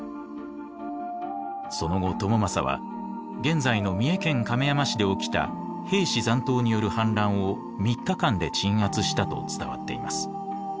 その後朝雅は現在の三重県亀山市で起きた平氏残党による反乱を３日間で鎮圧したと伝わっています。